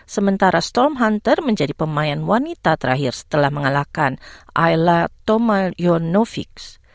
sementara storm hunter menjadi pemain wanita terakhir setelah mengalahkan ayla tomaljanovics